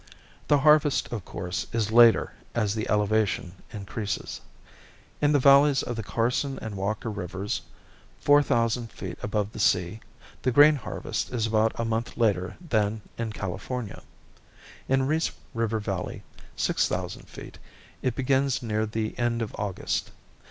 The harvest, of course, is later as the elevation increases. In the valleys of the Carson and Walker Rivers, four thousand feet above the sea, the grain harvest is about a month later than in California. In Reese River Valley, six thousand feet, it begins near the end of August.